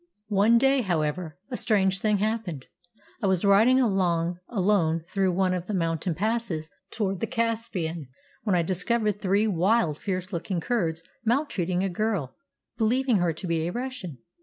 One day, however, a strange thing happened. I was riding along alone through one of the mountain passes towards the Caspian when I discovered three wild, fierce looking Kurds maltreating a girl, believing her to be a Russian.